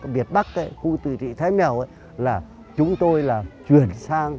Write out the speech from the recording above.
việt bắc khu tự trị thái mèo là chúng tôi là chuyển sang